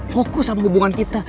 fokus sama hubungan kita